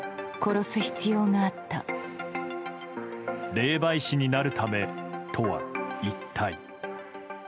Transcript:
霊媒師になるためとは一体。